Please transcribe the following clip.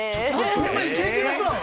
◆そんなイケイケな人なの？